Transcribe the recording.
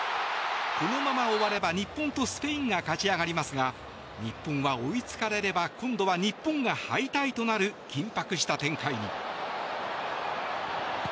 このまま終われば日本とスペインが勝ち上がりますが日本は追い付かれれば今度は日本が敗退となる緊迫した展開に。